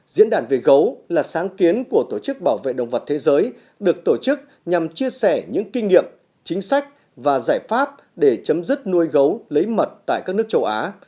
diễn đàn về gấu là sáng kiến của tổ chức bảo vệ động vật thế giới được tổ chức nhằm chia sẻ những kinh nghiệm chính sách và giải pháp để chấm dứt nuôi gấu lấy mật tại các nước châu á